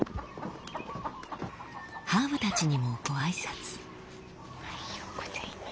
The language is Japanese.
ハーブたちにもご挨拶。